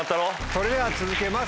それでは続けます